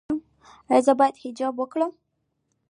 ایا زه باید حجاب وکړم؟